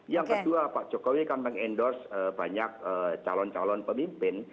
yang kedua pak jokowi akan mengendorse banyak calon calon pemimpin